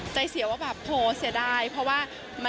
ใจเสียว่าแบบโหเสียดายเพราะว่า